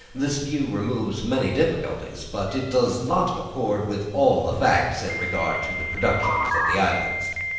This view removes many difficulties, but it does not accord with all the facts in regard to the productions of islands.